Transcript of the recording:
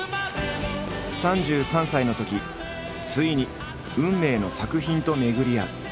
３３歳のときついに運命の作品と巡り合う。